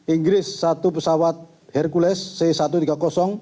inggris satu pesawat hercules c satu ratus tiga puluh